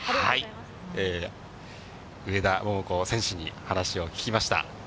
上田桃子選手に話を聞きました。